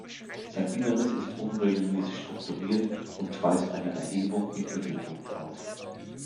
Sein Inneres ist unregelmäßig strukturiert und weist eine Erhebung im Mittelpunkt auf.